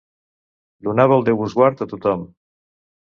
Donava el Déu-vos-guard a tot-hom